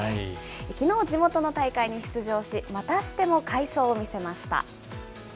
きのう、地元の大会に出場し、またしても快走を見せました。